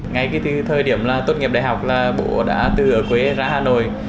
ngay từ thời điểm tốt nghiệp đại học là bố đã từ quế ra hà nội